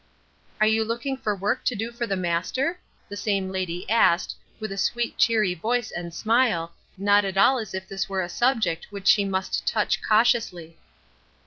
"Are you looking for work to do for the Master?" the same lady asked, with a sweet cheery voice and smile, not at all as if this were a subject which she must touch cautiously.